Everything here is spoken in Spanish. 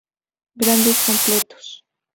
Grandes, completos.